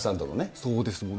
そうですもんね。